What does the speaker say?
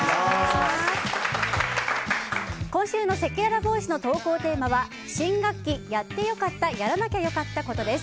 今週のせきららボイスの投稿テーマは新学期やってよかった・やらなきゃよかったコトです。